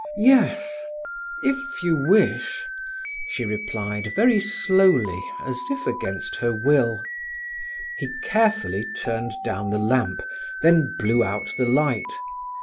"Yes—If you wish," she replied, very slowly, as if against her will. He carefully turned down the lamp, then blew out the light.